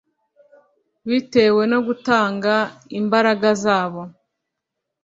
bitewe no gutanga imbaraga zabo